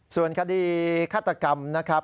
ส่วนคดีฆาตกรรมนะครับ